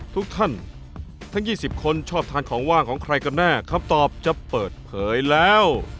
ทุกท่านทั้ง๒๐คนชอบทานของว่างของใครกันแน่คำตอบจะเปิดเผยแล้ว